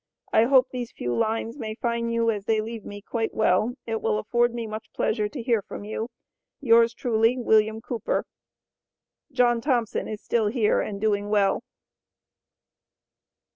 I hope these few Lines may fine you as they Leave me quite well. It will afford me much Pleasure to hear from you. yours Truly, WILLIAM COOPER. John Thompson is still here and Doing well.